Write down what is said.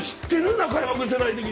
中山君世代的に。